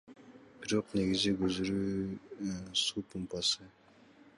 Бирок негизги көзүрү – суу помпасы.